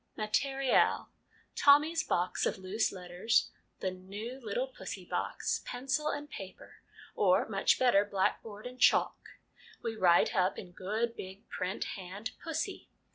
Materiel: Tommy's box of loose letters, the new ' Little Pussy ' box, pencil and paper, or much better, blackboard and chalk. We write up in good big print hand ' Pussy.'